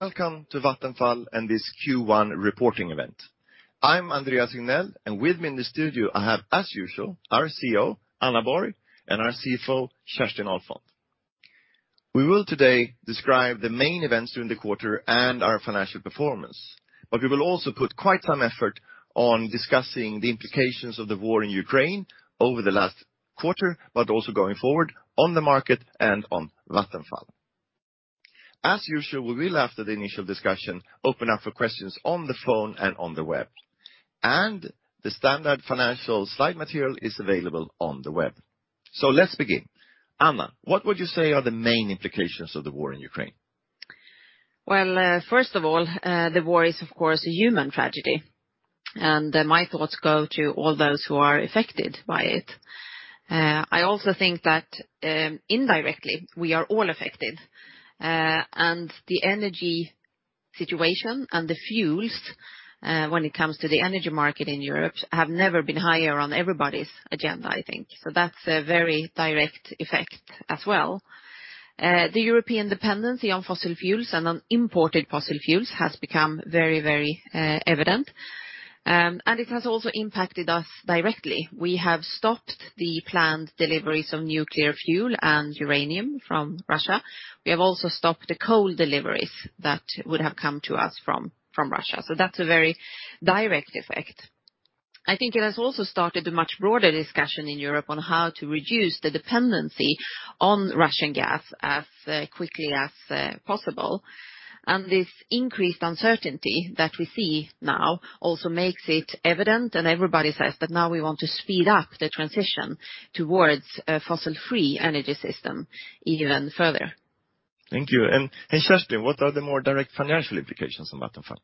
Welcome to Vattenfall and this Q1 reporting event. I'm Andreas Regnell, and with me in the studio, I have, as usual, our CEO, Anna Borg, and our CFO, Kerstin Ahlfont. We will today describe the main events during the quarter and our financial performance, but we will also put quite some effort on discussing the implications of the war in Ukraine over the last quarter, but also going forward on the market and on Vattenfall. As usual, we will, after the initial discussion, open up for questions on the phone and on the web. The standard financial slide material is available on the web. Let's begin. Anna, what would you say are the main implications of the war in Ukraine? Well, first of all, the war is of course a human tragedy, and my thoughts go to all those who are affected by it. I also think that, indirectly, we are all affected, and the energy situation and the fuels, when it comes to the energy market in Europe, have never been higher on everybody's agenda, I think. That's a very direct effect as well. The European dependency on fossil fuels and on imported fossil fuels has become very, very evident, and it has also impacted us directly. We have stopped the planned deliveries of nuclear fuel and uranium from Russia. We have also stopped the coal deliveries that would have come to us from Russia. That's a very direct effect. I think it has also started a much broader discussion in Europe on how to reduce the dependency on Russian gas as quickly as possible. This increased uncertainty that we see now also makes it evident, and everybody says that now we want to speed up the transition towards a fossil-free energy system even further. Thank you. Kerstin, what are the more direct financial implications on Vattenfall?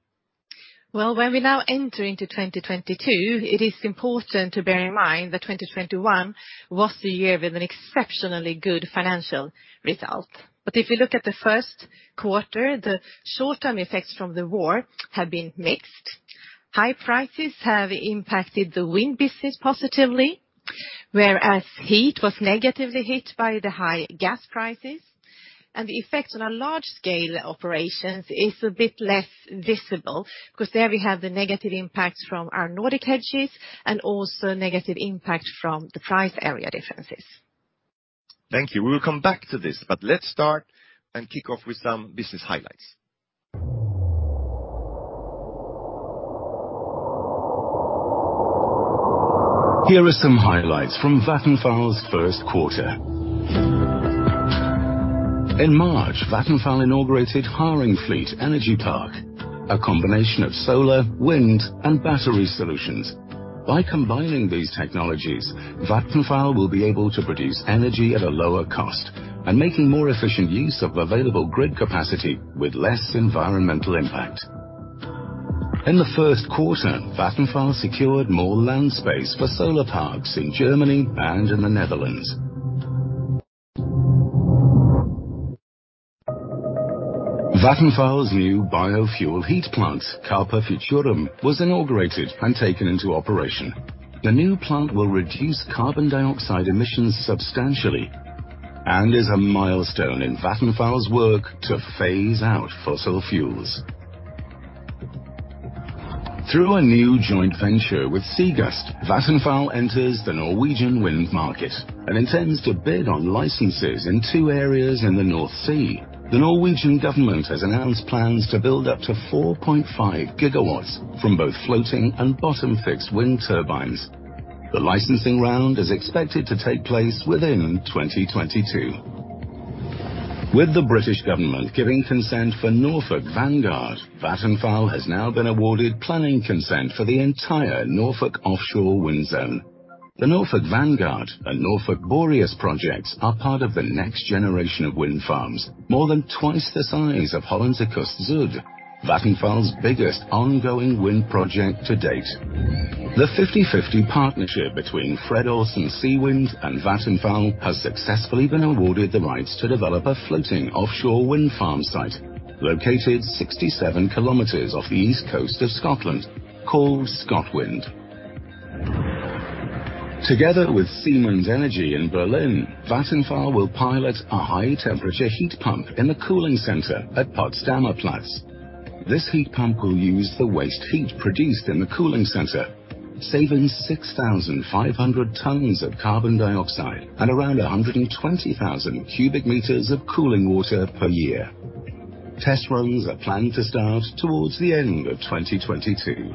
Well, when we now enter into 2022, it is important to bear in mind that 2021 was the year with an exceptionally good financial result. If you look at the first quarter, the short-term effects from the war have been mixed. High prices have impacted the wind business positively, whereas heat was negatively hit by the high gas prices. The effect on our large scale operations is a bit less visible because there we have the negative impact from our Nordic hedges and also negative impact from the price area differences. Thank you. We will come back to this, but let's start and kick off with some business highlights. Here are some highlights from Vattenfall's first quarter. In March, Vattenfall inaugurated Haringvliet Energy Park, a combination of solar, wind, and battery solutions. By combining these technologies, Vattenfall will be able to produce energy at a lower cost and making more efficient use of available grid capacity with less environmental impact. In the first quarter, Vattenfall secured more land space for solar parks in Germany and in the Netherlands. Vattenfall's new biofuel heat plant, Carpe Futurum, was inaugurated and taken into operation. The new plant will reduce carbon dioxide emissions substantially and is a milestone in Vattenfall's work to phase out fossil fuels. Through a new joint venture with Seagust, Vattenfall enters the Norwegian wind market and intends to bid on licenses in two areas in the North Sea. The Norwegian government has announced plans to build up to 4.5 GW from both floating and bottom fixed wind turbines. The licensing round is expected to take place within 2022. With the British government giving consent for Norfolk Vanguard, Vattenfall has now been awarded planning consent for the entire Norfolk offshore wind zone. The Norfolk Vanguard and Norfolk Boreas projects are part of the next generation of wind farms, more than twice the size of Hollandse Kust Zuid, Vattenfall's biggest ongoing wind project to date. The 50/50 partnership between Fred. Olsen Seawind and Vattenfall has successfully been awarded the rights to develop a floating offshore wind farm site located 67 km off the east coast of Scotland, called ScotWind. Together with Siemens Energy in Berlin, Vattenfall will pilot a high-temperature heat pump in the cooling center at Potsdamer Platz. This heat pump will use the waste heat produced in the cooling center, saving 6,500 tons of carbon dioxide and around 120,000 m3 of cooling water per year. Test runs are planned to start towards the end of 2022.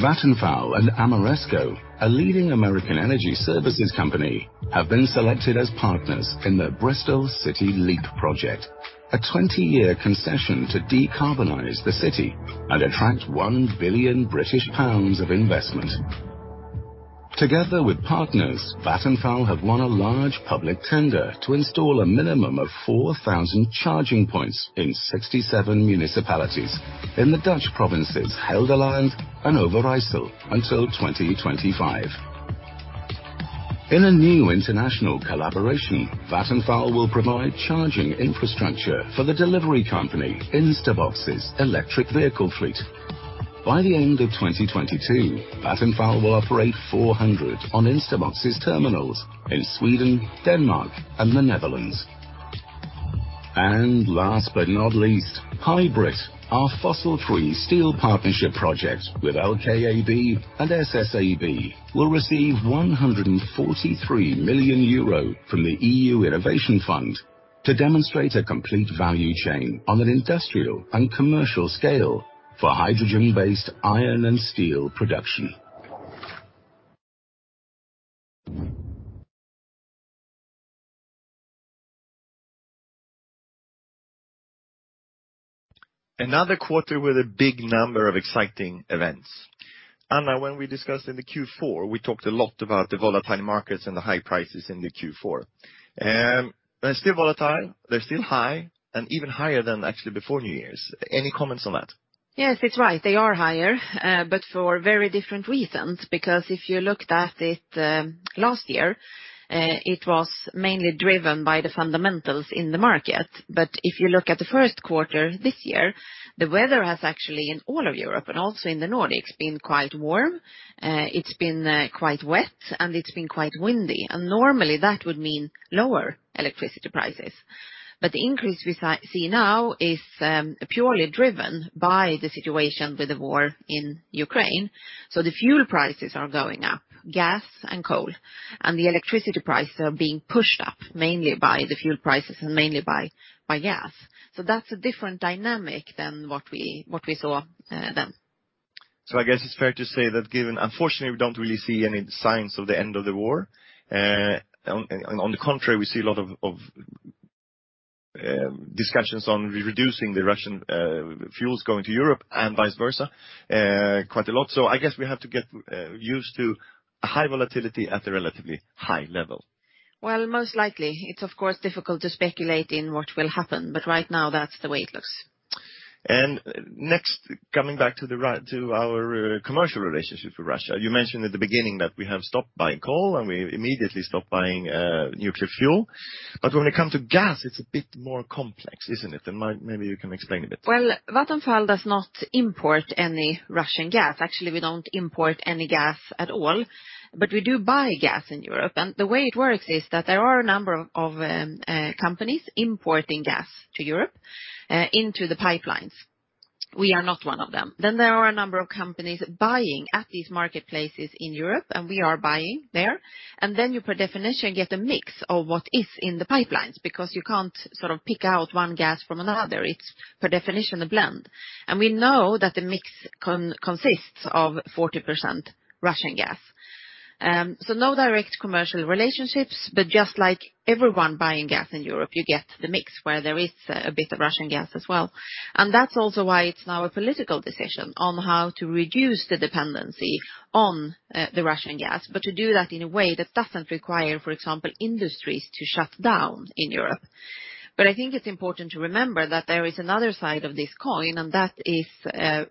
Vattenfall and Ameresco, a leading American energy services company, have been selected as partners in the Bristol City Leap Project, a 20-year concession to decarbonize the city and attract 1 billion British pounds of investment. Together with partners, Vattenfall have won a large public tender to install a minimum of 4,000 charging points in 67 municipalities in the Dutch provinces Gelderland and Overijssel until 2025. In a new international collaboration, Vattenfall will provide charging infrastructure for the delivery company Instabox's electric vehicle fleet. By the end of 2022, Vattenfall will operate 400 Instabox's terminals in Sweden, Denmark, and the Netherlands. Last but not least, HYBRIT, our fossil-free steel partnership project with LKAB and SSAB, will receive 143 million euro from the EU Innovation Fund to demonstrate a complete value chain on an industrial and commercial scale for hydrogen-based iron and steel production. Another quarter with a big number of exciting events. Anna, when we discussed in the Q4, we talked a lot about the volatile markets and the high prices in the Q4. They're still volatile, they're still high, and even higher than actually before New Year's. Any comments on that? Yes, it's right, they are higher, but for very different reasons, because if you looked at it, last year, it was mainly driven by the fundamentals in the market. If you look at the first quarter this year, the weather has actually, in all of Europe and also in the Nordics, been quite warm, it's been quite wet, and it's been quite windy. Normally, that would mean lower electricity prices. The increase we see now is purely driven by the situation with the war in Ukraine, so the fuel prices are going up, gas and coal. The electricity prices are being pushed up mainly by the fuel prices and mainly by gas. That's a different dynamic than what we saw then. I guess it's fair to say that given, unfortunately, we don't really see any signs of the end of the war. On the contrary, we see a lot of discussions on reducing the Russian fuels going to Europe and vice versa, quite a lot. I guess we have to get used to high volatility at a relatively high level. Well, most likely. It's of course difficult to speculate in what will happen, but right now that's the way it looks. Next, coming back to our commercial relationship with Russia. You mentioned at the beginning that we have stopped buying coal, and we immediately stopped buying nuclear fuel. But when it comes to gas, it's a bit more complex, isn't it? Maybe you can explain a bit. Well, Vattenfall does not import any Russian gas. Actually, we don't import any gas at all. We do buy gas in Europe. The way it works is that there are a number of companies importing gas to Europe, into the pipelines. We are not one of them. There are a number of companies buying at these marketplaces in Europe, and we are buying there. You, by definition, get a mix of what is in the pipelines because you can't sort of pick out one gas from another. It's, by definition, a blend. We know that the mix consists of 40% Russian gas. No direct commercial relationships, but just like everyone buying gas in Europe, you get the mix where there is a bit of Russian gas as well. That's also why it's now a political decision on how to reduce the dependency on the Russian gas, but to do that in a way that doesn't require, for example, industries to shut down in Europe. I think it's important to remember that there is another side of this coin, and that is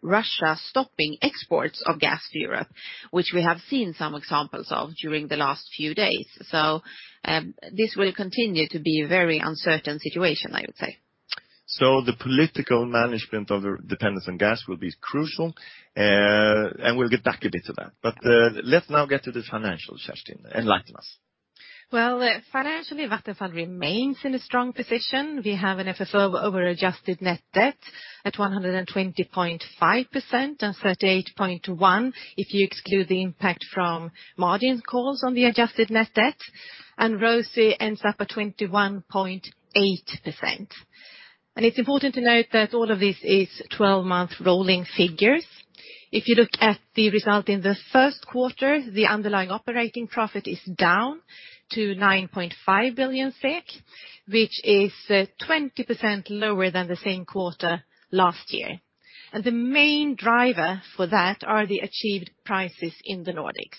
Russia stopping exports of gas to Europe, which we have seen some examples of during the last few days. This will continue to be a very uncertain situation, I would say. The political management of dependence on gas will be crucial, and we'll get back a bit to that. Let's now get to the financial, Kerstin. Enlighten us. Well, financially, Vattenfall remains in a strong position. We have an FFO to adjusted net debt at 120.5%, and 38.1 if you exclude the impact from margin calls on the adjusted net debt. ROCE ends up at 21.8%. It's important to note that all of this is 12-month rolling figures. If you look at the result in the first quarter, the underlying operating profit is down to 9.5 billion SEK, which is 20% lower than the same quarter last year. The main driver for that are the achieved prices in the Nordics.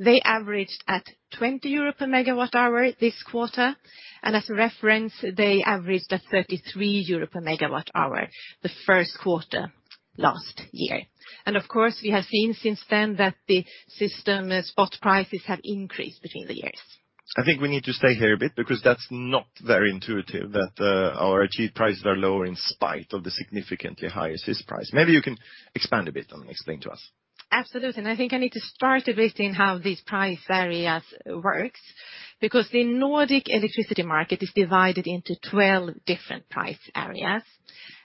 They averaged at 20 euro per MWh this quarter. As a reference, they averaged at 33 euro per MWh the first quarter last year. Of course, we have seen since then that the system spot prices have increased between the years. I think we need to stay here a bit because that's not very intuitive that our achieved prices are lower in spite of the significantly higher SYS price. Maybe you can expand a bit and explain to us. Absolutely. I think I need to start a bit in how these price areas works, because the Nordic electricity market is divided into 12 different price areas.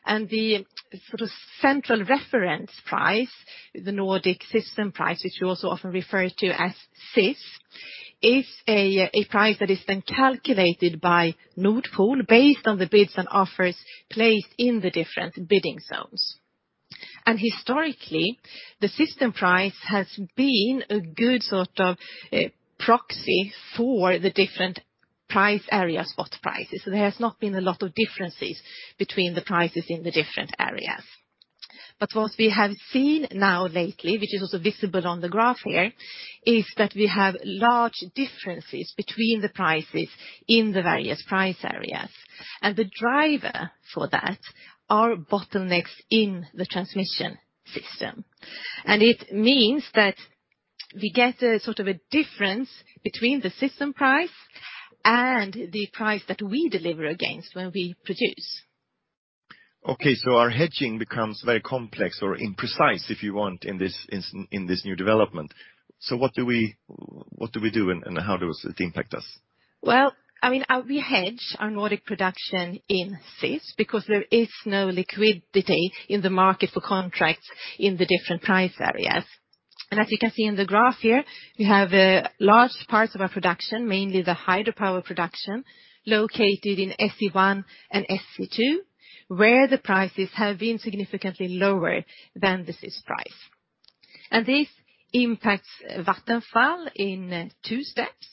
The sort of central reference price, the Nordic system price, which we also often refer to as SYS, is a price that is then calculated by Nord Pool based on the bids and offers placed in the different bidding zones. Historically, the system price has been a good sort of proxy for the different price area spot prices. There has not been a lot of differences between the prices in the different areas. What we have seen now lately, which is also visible on the graph here, is that we have large differences between the prices in the various price areas. The driver for that are bottlenecks in the transmission system. It means that we get a sort of a difference between the system price and the price that we deliver against when we produce. Okay, our hedging becomes very complex or imprecise, if you want, in this new development. What do we do and how does it impact us? Well, I mean, we hedge our Nordic production in SYS because there is no liquidity in the market for contracts in the different price areas. As you can see in the graph here, we have large parts of our production, mainly the hydropower production, located in SE1 and SE2, where the prices have been significantly lower than the SYS price. This impacts Vattenfall in two steps.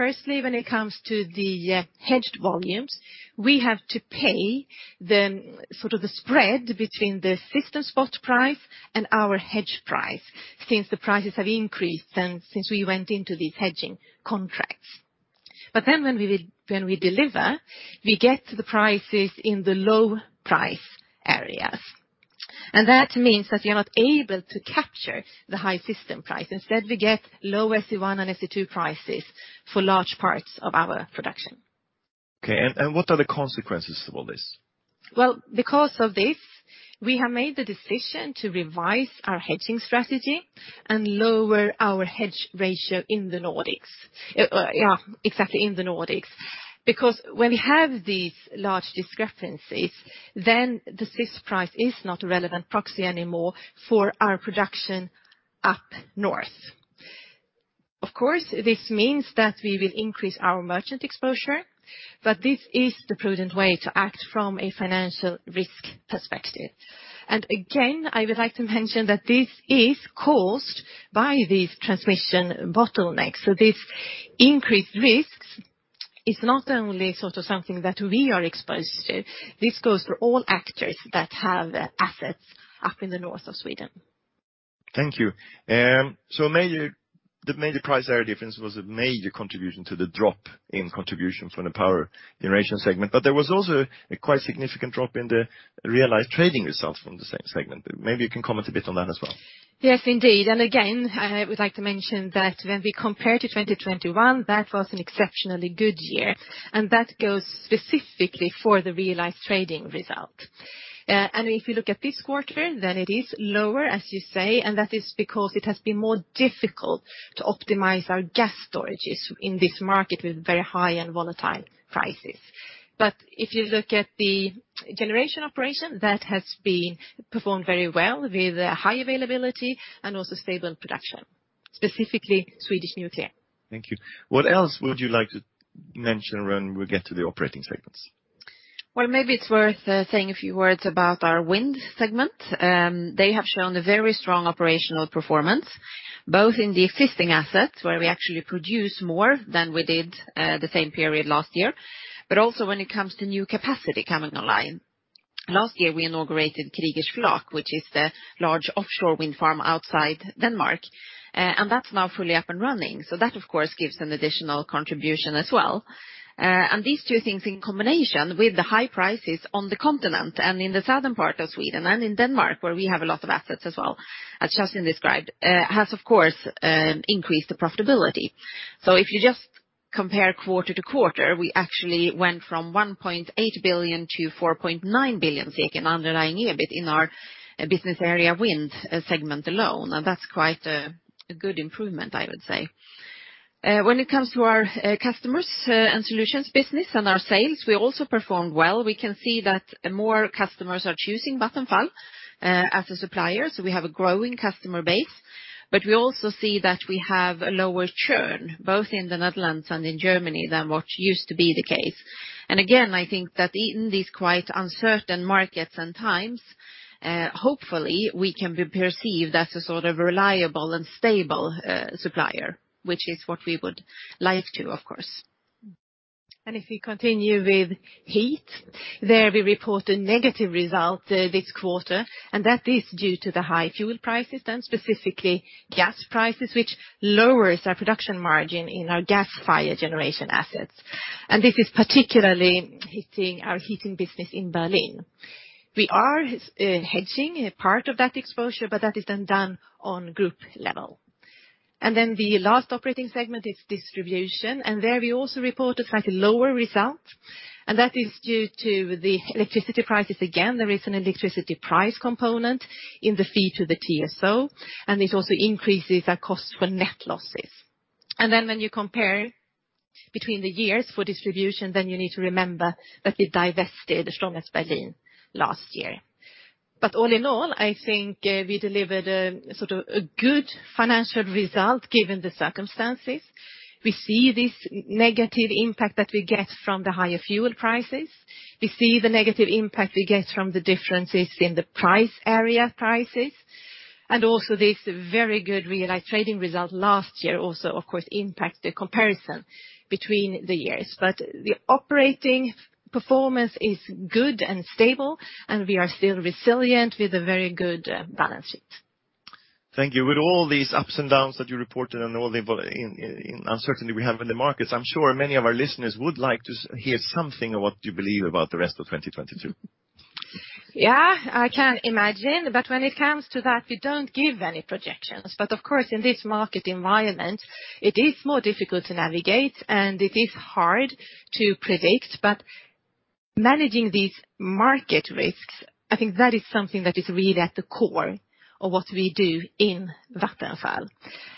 Firstly, when it comes to the hedged volumes, we have to pay the sort of the spread between the system spot price and our hedge price since the prices have increased and since we went into these hedging contracts. When we deliver, we get the prices in the low price areas. That means that you're not able to capture the high system price. Instead, we get low SE1 and SE2 prices for large parts of our production. Okay. What are the consequences of all this? Well, because of this, we have made the decision to revise our hedging strategy and lower our hedge ratio in the Nordics. Because when we have these large discrepancies, then the SYS price is not a relevant proxy anymore for our production up north. Of course, this means that we will increase our merchant exposure, but this is the prudent way to act from a financial risk perspective. Again, I would like to mention that this is caused by the transmission bottlenecks. This increased risks is not only sort of something that we are exposed to. This goes for all actors that have assets up in the north of Sweden. Thank you. The major price area difference was a major contribution to the drop in contribution from the power generation segment. There was also a quite significant drop in the realized trading results from the same segment. Maybe you can comment a bit on that as well. Yes, indeed. Again, I would like to mention that when we compare to 2021, that was an exceptionally good year, and that goes specifically for the realized trading result. If you look at this quarter, then it is lower, as you say, and that is because it has been more difficult to optimize our gas storages in this market with very high and volatile prices. If you look at the generation operation, that has been performed very well with high availability and also stable production, specifically Swedish nuclear. Thank you. What else would you like to mention when we get to the operating segments? Well, maybe it's worth saying a few words about our wind segment. They have shown a very strong operational performance, both in the existing assets, where we actually produce more than we did the same period last year, but also when it comes to new capacity coming online. Last year, we inaugurated Kriegers Flak, which is the large offshore wind farm outside Denmark, and that's now fully up and running. That, of course, gives an additional contribution as well. These two things in combination with the high prices on the continent and in the southern part of Sweden and in Denmark, where we have a lot of assets as well, as Kerstin described, has of course increased the profitability. If you just compare quarter-over-quarter, we actually went from 1.8 billion -4.9 billion in underlying EBIT in our business area wind segment alone, and that's quite a good improvement, I would say. When it comes to our customers and solutions business and our sales, we also performed well. We can see that more customers are choosing Vattenfall as a supplier, so we have a growing customer base. We also see that we have a lower churn, both in the Netherlands and in Germany than what used to be the case. I think that in these quite uncertain markets and times, hopefully we can be perceived as a sort of reliable and stable supplier, which is what we would like to, of course. If we continue with heat, there we report a negative result this quarter, and that is due to the high fuel prices and specifically gas prices, which lowers our production margin in our gas fire generation assets. This is particularly hitting our heating business in Berlin. We are hedging a part of that exposure, but that is then done on group level. Then the last operating segment is distribution, and there we also report a slightly lower result, and that is due to the electricity prices again. There is an electricity price component in the fee to the TSO, and it also increases our cost for net losses. Then when you compare between the years for distribution, then you need to remember that we divested Stromnetz Berlin last year. All in all, I think, we delivered a sort of good financial result given the circumstances. We see this negative impact that we get from the higher fuel prices. We see the negative impact we get from the differences in the price area prices. Also this very good realized trading result last year also of course impact the comparison between the years. The operating performance is good and stable, and we are still resilient with a very good balance sheet. Thank you. With all these ups and downs that you reported and all the uncertainty we have in the markets, I'm sure many of our listeners would like to hear something of what you believe about the rest of 2022. Yeah, I can imagine. When it comes to that, we don't give any projections. Of course, in this market environment, it is more difficult to navigate, and it is hard to predict. Managing these market risks, I think that is something that is really at the core of what we do in Vattenfall.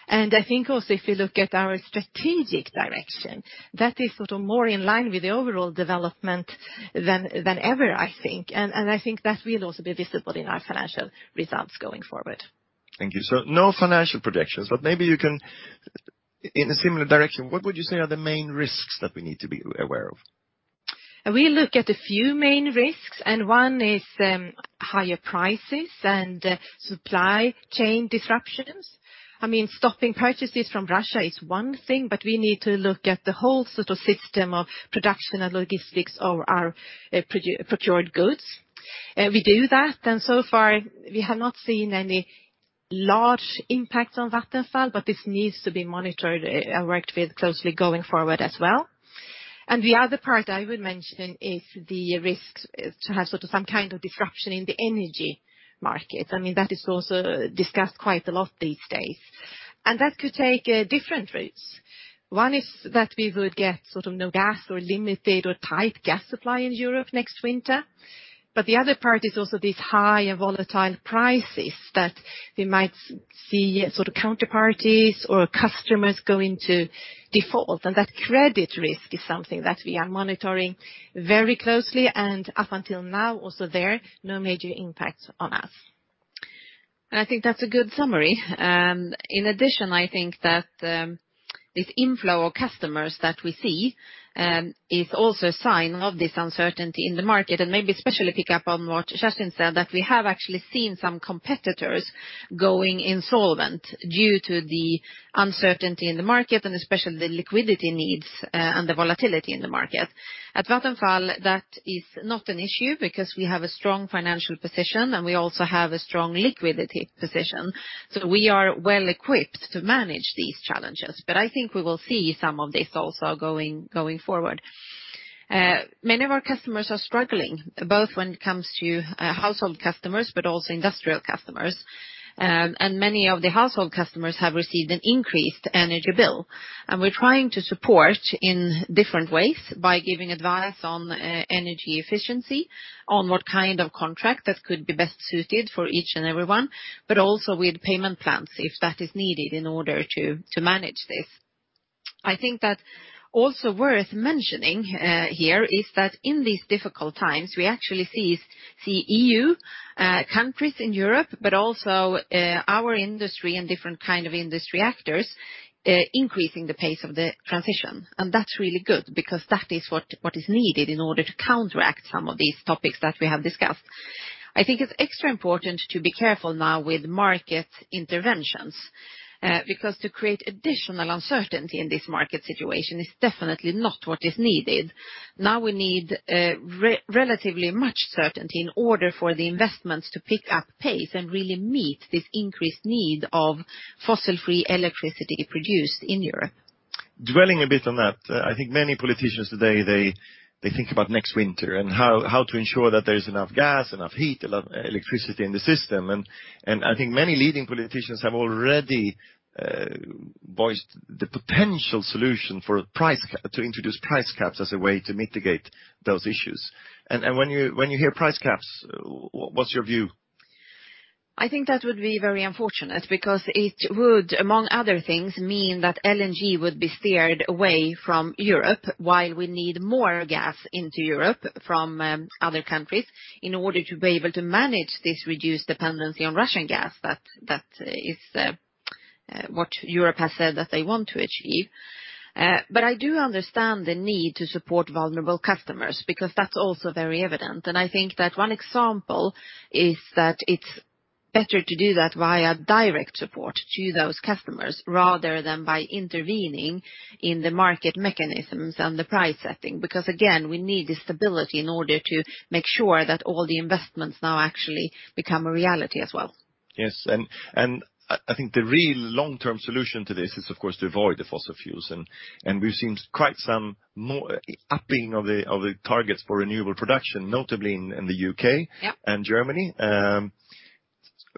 I think also if you look at our strategic direction, that is sort of more in line with the overall development than ever, I think. I think that will also be visible in our financial results going forward. Thank you. No financial projections, but maybe you can, in a similar direction, what would you say are the main risks that we need to be aware of? We look at a few main risks, and one is higher prices and supply chain disruptions. I mean, stopping purchases from Russia is one thing, but we need to look at the whole sort of system of production and logistics of our procured goods. We do that, and so far, we have not seen any large impact on Vattenfall, but this needs to be monitored and worked with closely going forward as well. The other part I would mention is the risk to have sort of some kind of disruption in the energy market. I mean, that is also discussed quite a lot these days. That could take different routes. One is that we would get sort of no gas or limited or tight gas supply in Europe next winter. The other part is also these high and volatile prices that we might see sort of counterparties or customers go into default. That credit risk is something that we are monitoring very closely. Up until now, also there, no major impact on us. I think that's a good summary. In addition, I think that this inflow of customers that we see is also a sign of this uncertainty in the market, and maybe especially pick up on what Kerstin said, that we have actually seen some competitors going insolvent due to the uncertainty in the market and especially the liquidity needs, and the volatility in the market. At Vattenfall, that is not an issue because we have a strong financial position, and we also have a strong liquidity position. We are well-equipped to manage these challenges. I think we will see some of this also going forward. Many of our customers are struggling, both when it comes to household customers, but also industrial customers. Many of the household customers have received an increased energy bill. We're trying to support in different ways by giving advice on energy efficiency, on what kind of contract that could be best suited for each and everyone. Also with payment plans, if that is needed in order to manage this. I think that's also worth mentioning here is that in these difficult times, we actually see EU countries in Europe, but also our industry and different kind of industry actors increasing the pace of the transition. That's really good because that is what is needed in order to counteract some of these topics that we have discussed. I think it's extra important to be careful now with market interventions, because to create additional uncertainty in this market situation is definitely not what is needed. Now we need relatively much certainty in order for the investments to pick up pace and really meet this increased need of fossil-free electricity produced in Europe. Dwelling a bit on that, I think many politicians today, they think about next winter and how to ensure that there is enough gas, enough heat, enough electricity in the system. I think many leading politicians have already voiced the potential solution to introduce price caps as a way to mitigate those issues. When you hear price caps, what's your view? I think that would be very unfortunate because it would, among other things, mean that LNG would be steered away from Europe while we need more gas into Europe from other countries in order to be able to manage this reduced dependency on Russian gas. That is what Europe has said that they want to achieve. But I do understand the need to support vulnerable customers because that's also very evident. I think that one example is that it's better to do that via direct support to those customers rather than by intervening in the market mechanisms and the price setting. Because again, we need the stability in order to make sure that all the investments now actually become a reality as well. Yes. I think the real long-term solution to this is, of course, to avoid the fossil fuels. We've seen quite some more upping of the targets for renewable production, notably in the UK. Yeah Germany.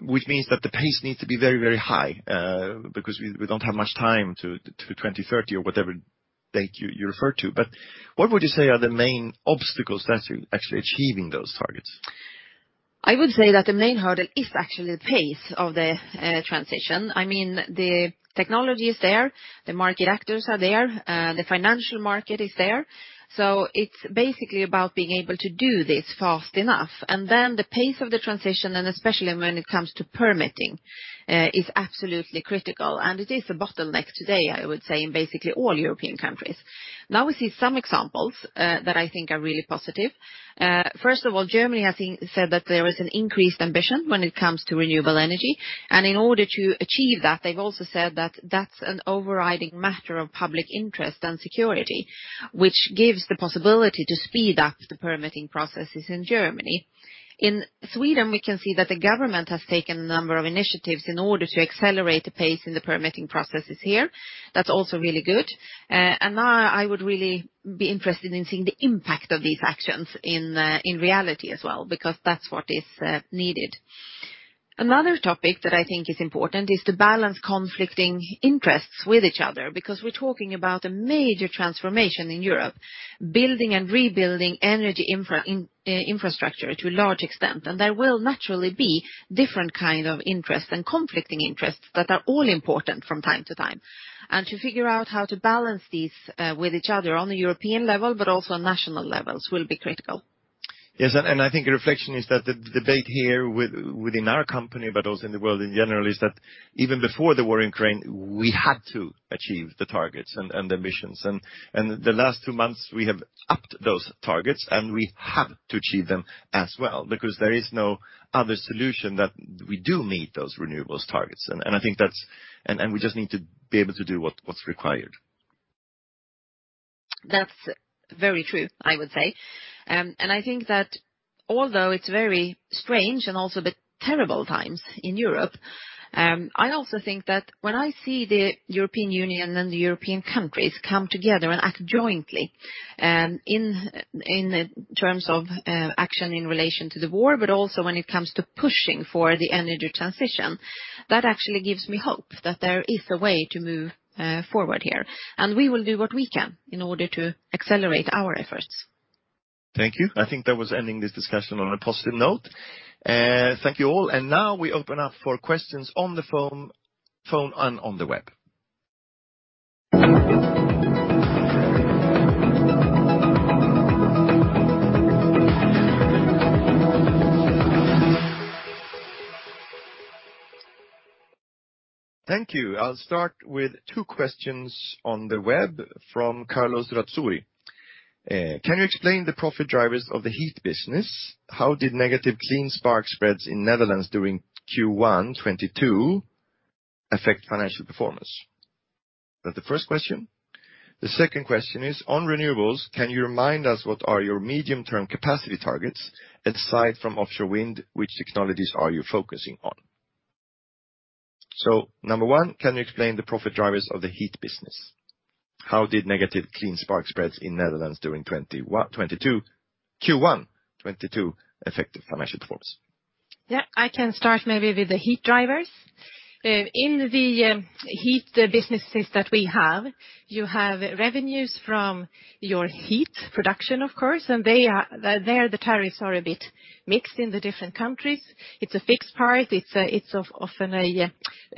Which means that the pace needs to be very, very high, because we don't have much time to 2030 or whatever date you referred to. What would you say are the main obstacles that's actually achieving those targets? I would say that the main hurdle is actually the pace of the transition. I mean, the technology is there, the market actors are there, the financial market is there. It's basically about being able to do this fast enough. The pace of the transition, and especially when it comes to permitting, is absolutely critical. It is a bottleneck today, I would say, in basically all European countries. Now we see some examples that I think are really positive. First of all, Germany has said that there is an increased ambition when it comes to renewable energy. In order to achieve that, they've also said that that's an overriding matter of public interest and security, which gives the possibility to speed up the permitting processes in Germany. In Sweden, we can see that the government has taken a number of initiatives in order to accelerate the pace in the permitting processes here. That's also really good. Now I would really be interested in seeing the impact of these actions in reality as well, because that's what is needed. Another topic that I think is important is to balance conflicting interests with each other, because we're talking about a major transformation in Europe, building and rebuilding energy infrastructure to a large extent. There will naturally be different kind of interests and conflicting interests that are all important from time to time. To figure out how to balance these with each other on a European level, but also on national levels, will be critical. Yes, and I think a reflection is that the debate here within our company, but also in the world in general, is that even before the war in Ukraine, we had to achieve the targets and the missions. The last two months, we have upped those targets, and we have to achieve them as well because there is no other solution that we do meet those renewables targets. I think that's. We just need to be able to do what's required. That's very true, I would say. I think that although it's very strange and also a bit terrible times in Europe, I also think that when I see the European Union and the European countries come together and act jointly, in terms of action in relation to the war, but also when it comes to pushing for the energy transition, that actually gives me hope that there is a way to move forward here. We will do what we can in order to accelerate our efforts. Thank you. I think that was ending this discussion on a positive note. Thank you all. Now we open up for questions on the phone and on the web. Thank you. I'll start with two questions on the web from Carlos Razuri. Can you explain the profit drivers of the heat business? How did negative clean spark spreads in the Netherlands during Q1 2022 affect financial performance? That's the first question. The second question is, on renewables, can you remind us what are your medium-term capacity targets? Aside from offshore wind, which technologies are you focusing on? Number one, can you explain the profit drivers of the heat business? How did negative clean spark spreads in the Netherlands during Q1 2022 affect your financial performance? Yeah, I can start maybe with the heat drivers. In the heat businesses that we have, you have revenues from your heat production, of course, and they are. There, the tariffs are a bit mixed in the different countries. It's a fixed part. It's often a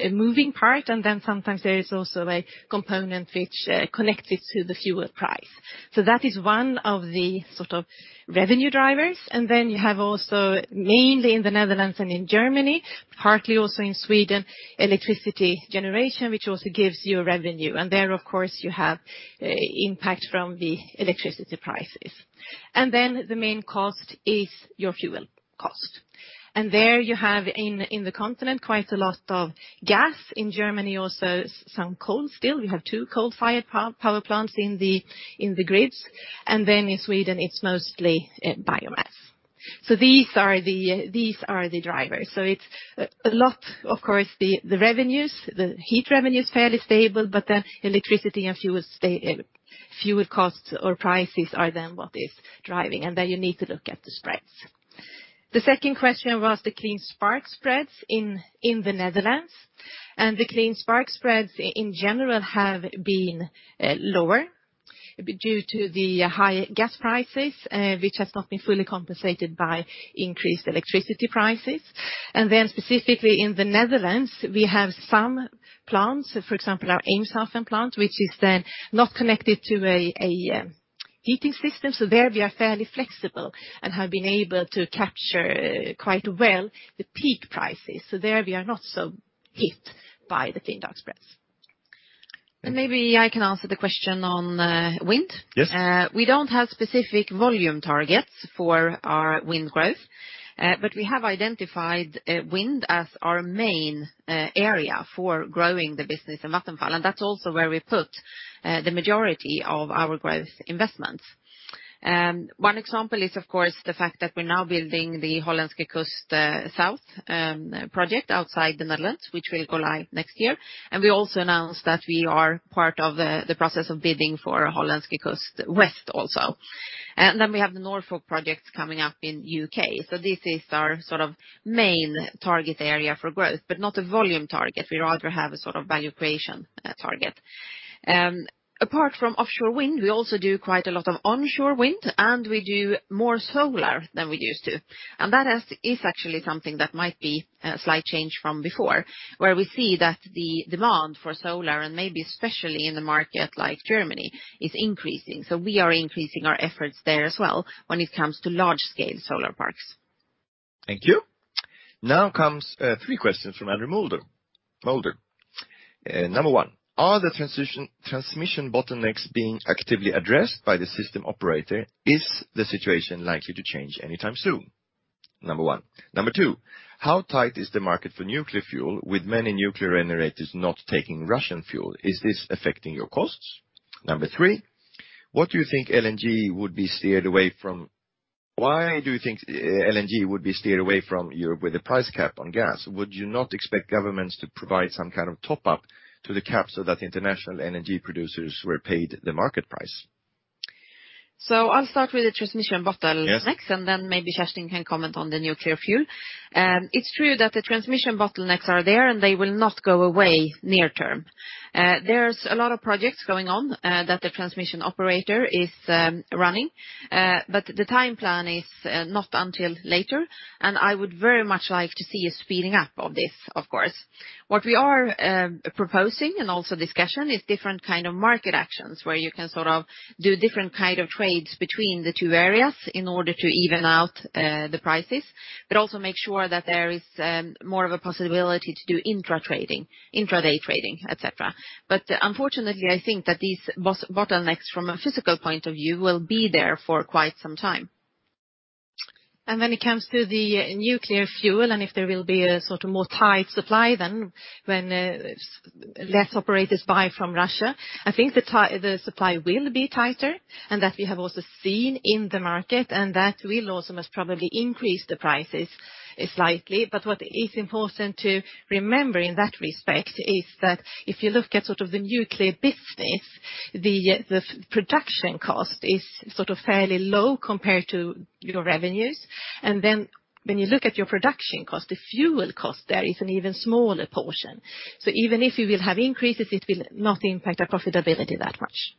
moving part, and then sometimes there is also a component which connects it to the fuel price. So that is one of the sort of revenue drivers. You have also, mainly in the Netherlands and in Germany, partly also in Sweden, electricity generation, which also gives you revenue. There, of course, you have impact from the electricity prices. The main cost is your fuel cost. There you have in the continent, quite a lot of gas. In Germany, also some coal still. You have two coal-fired power plants in the grids. In Sweden, it's mostly biomass. These are the drivers. It's a lot, of course, the revenues. The heat revenue is fairly stable, but the electricity and fuel costs or prices are then what is driving, and then you need to look at the spreads. The second question was the clean spark spreads in the Netherlands, and the clean spark spreads in general have been lower due to the high gas prices, which has not been fully compensated by increased electricity prices. Specifically in the Netherlands, we have some plants, for example, our Eemshaven plant, which is then not connected to a heating system. There we are fairly flexible and have been able to capture quite well the peak prices. There we are not so hit by the clean dark spreads. Maybe I can answer the question on wind. Yes. We don't have specific volume targets for our wind growth, but we have identified wind as our main area for growing the business in Vattenfall, and that's also where we put the majority of our growth investments. One example is, of course, the fact that we're now building the Hollandse Kust South project outside the Netherlands, which will go live next year. We also announced that we are part of the process of bidding for Hollandse Kust West also. We have the Norfolk project coming up in U.K. This is our sort of main target area for growth, but not a volume target. We rather have a sort of value creation target. Apart from offshore wind, we also do quite a lot of onshore wind, and we do more solar than we used to. That is actually something that might be a slight change from before, where we see that the demand for solar, and maybe especially in the market like Germany, is increasing. We are increasing our efforts there as well when it comes to large-scale solar parks. Thank you. Now comes three questions from Andrew Moulder. Number one: Are the transmission bottlenecks being actively addressed by the system operator? Is the situation likely to change anytime soon? Number two: How tight is the market for nuclear fuel with many nuclear generators not taking Russian fuel? Is this affecting your costs? Number three: Why do you think LNG would be steered away from Europe with a price cap on gas? Would you not expect governments to provide some kind of top-up to the cap so that international LNG producers were paid the market price? I'll start with the transmission bottlenecks. Yes. Maybe Kerstin can comment on the nuclear fuel. It's true that the transmission bottlenecks are there, and they will not go away near term. There's a lot of projects going on that the transmission operator is running, but the time plan is not until later. I would very much like to see a speeding up of this, of course. What we are proposing and also discussing is different kind of market actions where you can sort of do different kind of trades between the two areas in order to even out the prices, but also make sure that there is more of a possibility to do intra trading, intraday trading, et cetera. Unfortunately, I think that these bottlenecks from a physical point of view will be there for quite some time. When it comes to the nuclear fuel and if there will be a sort of more tight supply than when less operators buy from Russia, I think the supply will be tighter and that we have also seen in the market, and that will also most probably increase the prices slightly. What is important to remember in that respect is that if you look at sort of the nuclear business, the production cost is sort of fairly low compared to your revenues. Then when you look at your production cost, the fuel cost there is an even smaller portion. Even if you will have increases, it will not impact our profitability that much.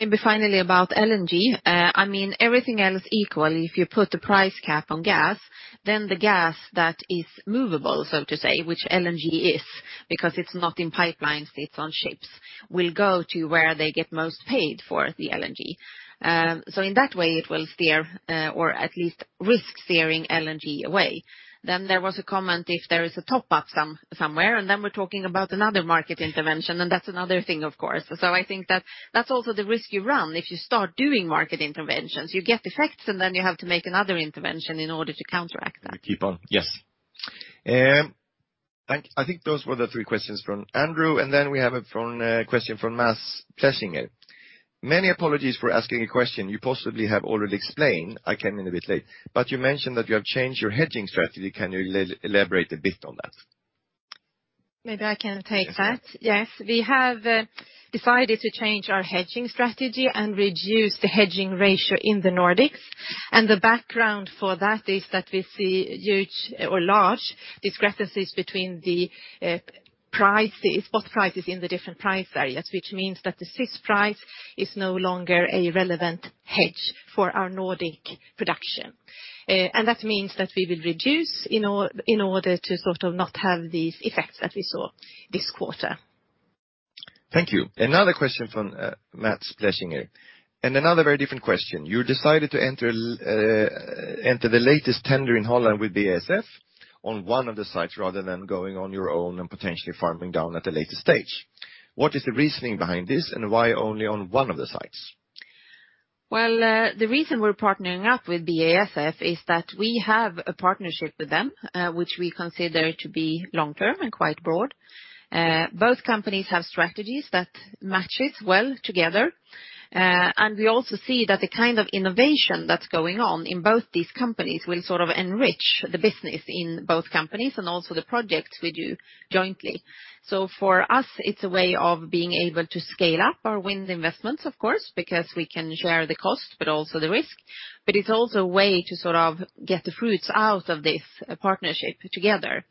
Maybe finally about LNG. I mean, everything else equal, if you put a price cap on gas, then the gas that is movable, so to say, which LNG is, because it's not in pipelines, it's on ships, will go to where they get most paid for the LNG. So in that way it will steer, or at least risk steering LNG away. There was a comment, if there is a top up somewhere, and then we're talking about another market intervention, and that's another thing, of course. I think that that's also the risk you run if you start doing market interventions. You get effects, and then you have to make another intervention in order to counteract that. Keep on. Yes. I think those were the three questions from Andrew. Then we have a question from Mats Peisker. Many apologies for asking a question you possibly have already explained. I came in a bit late. You mentioned that you have changed your hedging strategy. Can you elaborate a bit on that? Maybe I can take that. Yes. Yes. We have decided to change our hedging strategy and reduce the hedging ratio in the Nordics. The background for that is that we see huge or large discrepancies between the prices, spot prices in the different price areas, which means that the SYS price is no longer a relevant hedge for our Nordic production. That means that we will reduce in order to sort of not have these effects that we saw this quarter. Thank you. Another question from Mats Peissinger, and another very different question. You decided to enter the latest tender in Holland with BASF on one of the sites rather than going on your own and potentially farming down at a later stage. What is the reasoning behind this, and why only on one of the sites? Well, the reason we're partnering up with BASF is that we have a partnership with them, which we consider to be long-term and quite broad. Both companies have strategies that matches well together. We also see that the kind of innovation that's going on in both these companies will sort of enrich the business in both companies and also the projects we do jointly. For us, it's a way of being able to scale up our wind investments, of course, because we can share the cost but also the risk, but it's also a way to sort of get the fruits out of this partnership together.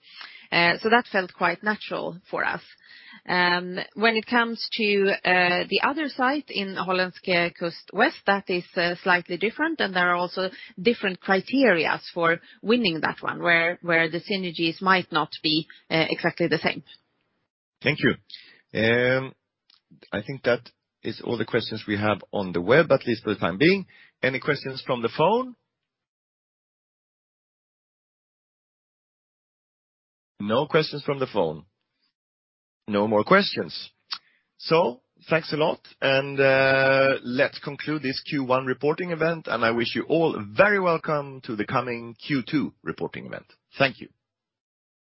That felt quite natural for us. When it comes to the other site in Hollandse Kust West, that is slightly different, and there are also different criteria for winning that one, where the synergies might not be exactly the same. Thank you. I think that is all the questions we have on the web, at least for the time being. Any questions from the phone? No questions from the phone. No more questions. Thanks a lot. Let's conclude this Q1 reporting event, and I wish you all very welcome to the coming Q2 reporting event. Thank you.